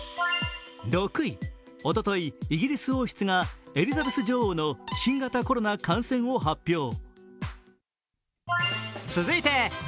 ６位、おととい、イギリス王室がエリザベス女王の新型コロナ感染を発表。